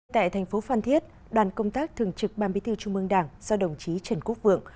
tại thành phố phan thiết đoàn công tác thường trực ban bí thư trung mương đảng do đồng chí trần quốc vượng